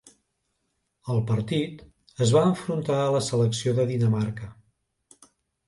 Al partit es va enfrontar a la selecció de Dinamarca.